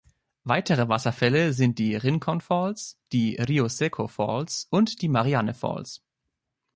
Weitere Wasserfälle sind die Rincon Falls, die Rio Seco Falls und die Marianne Falls.